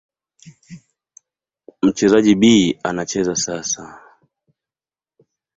Mchezaji B anacheza sasa.